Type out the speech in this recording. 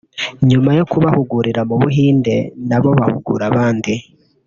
nyuma yo kubahugurira mu Buhinde nabo bagahugura abandi